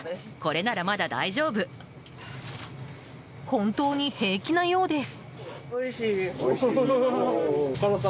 本当に平気なようです。